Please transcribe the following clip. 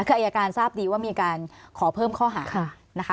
คืออายการทราบดีว่ามีการขอเพิ่มข้อหานะคะ